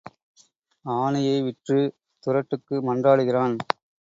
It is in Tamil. ஆனையை விற்றுத் துறட்டுக்கு மன்றாடுகிறான்.